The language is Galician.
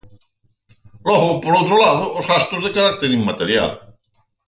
Logo, por outro lado, os gastos de carácter inmaterial.